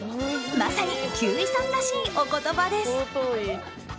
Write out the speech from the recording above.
まさに休井さんらしいお言葉です。